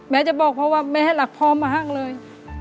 แม้จะบอกเพราะว่าแม้หลักพ่อมาห้างเลย